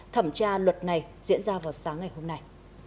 thẩm tra luật này diễn ra vào sáng ngày hôm nay